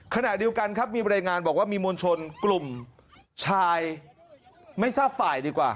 ขณะเดียวกันครับมีบรรยายงานบอกว่ามีมวลชนกลุ่มชายไม่ทราบฝ่ายดีกว่า